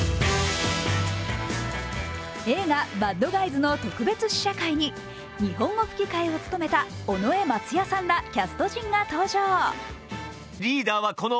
映画「バッドガイズ」の特別試写会に、日本語吹き替えを務めた尾上松也さんらキャスト陣が登場。